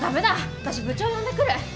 私部長呼んでくる！